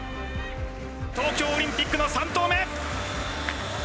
東京オリンピックの３投目。